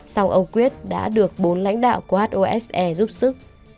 sau ông quyết đã được bốn lãnh đạo của hose giúp sức